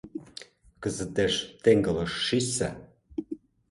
Кызытеш теҥгылыш шичса.